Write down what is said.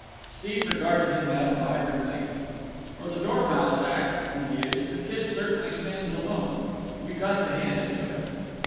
Steve regarded him admiringly. "For the dormouse act," he mused, "that kid certainly stands alone. You got to hand it to him."